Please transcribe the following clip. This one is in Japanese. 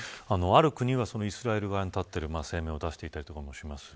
ある国はイスラエル側に立つという声明を出していたりします。